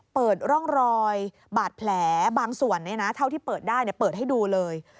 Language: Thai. เปิดร่องรอยบาดแผลบางส่วนเท่าที่เปิดได้เปิดให้ดูเลย